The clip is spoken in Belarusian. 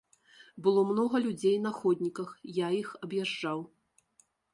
Было многа людзей на ходніках, я іх аб'язджаў.